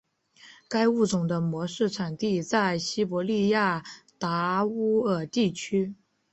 该物种的模式产地在西伯利亚达乌尔地区。